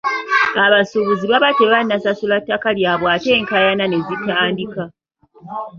Abasuubuzi baba tebannasasula ttaka lyabwe ate enkaayana ne zitandika.